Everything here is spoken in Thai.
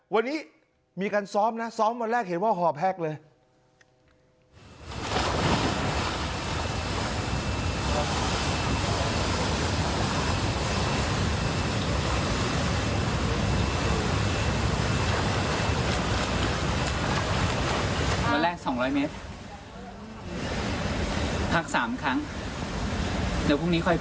วันนี้มีการซ้อมนะซ้อมวันแรกเห็นว่าห่อแพ็คเลย